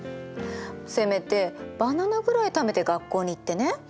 せめてバナナぐらい食べて学校に行ってね。